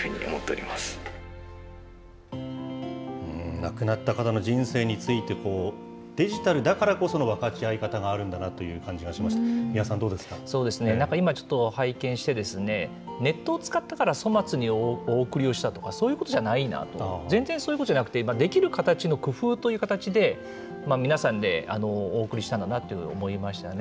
亡くなった方の人生について、デジタルだからこその分かち合い方があるんだなという感じがしまなんか今、ちょっと拝見してですね、ネットを使ったから、粗末にお送りをしたとか、そういうことじゃないなと、全然そういうことじゃなくて、できる形の工夫という形で、皆さんでお送りしたんだなと思いましたね。